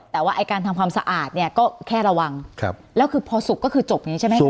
แต่ว่าการทำความสะอาดก็แค่ระวังครับครับแล้วคือพอสุกก็คือจบนี้ใช่มั้ย